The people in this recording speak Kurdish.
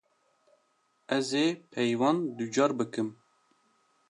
Ez ê peyvan ducar bikim.